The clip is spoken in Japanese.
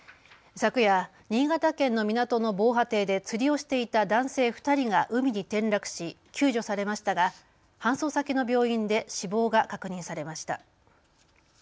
昨夜、新潟県の港の防波堤で釣りをしていた男性２人が海に転落し救助されましたが搬送先の病院で死亡が確認されました。